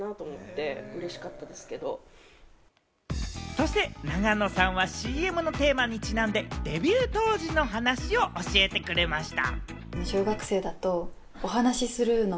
そして永野さんはＣＭのテーマにちなんで、デビュー当時の話を教えてくれました。